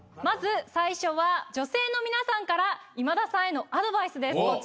まず最初は女性の皆さんから今田さんへのアドバイスです